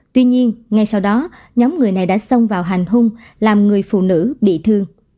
tuy nhiên ngay sau đó nhóm người này đã xông vào hành hung làm người phụ nữ bị thương